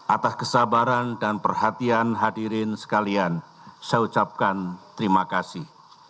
atas kesabaran dan perhatian hadirin sekalian saya ucapkan terima kasih